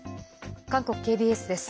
韓国ＫＢＳです。